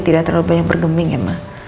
tidak terlalu banyak bergeming ya mbak